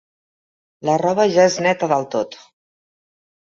La roba ja és neta del tot.